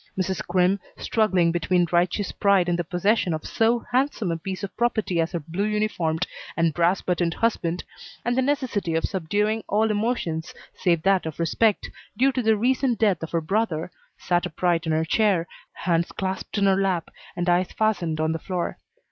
Mrs. Crimm, struggling between righteous pride in the possession of so handsome a piece of property as her blue uniformed and brass buttoned husband, and the necessity of subduing all emotions save that of respect, due to the recent death of her brother, sat upright in her chair, hands clasped in her lap, and eyes fastened on the floor.